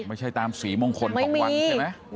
ไม่ใช่ตามสีมงคลของวันใช่ไหม